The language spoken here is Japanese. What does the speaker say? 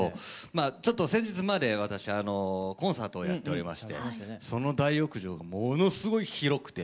ちょっと先日まで私コンサートをやっておりましてその大浴場ものすごい広くて。